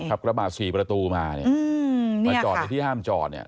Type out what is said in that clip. ขับกระบาด๔ประตูมามาจอดในที่ห้ามจอด